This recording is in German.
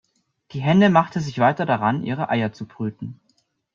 Die Henne machte sich weiter daran, ihre Eier zu brüten.